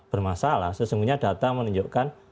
bermasalah sesungguhnya data menunjukkan